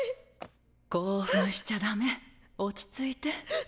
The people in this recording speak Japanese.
興奮しちゃダメ落ち着いて。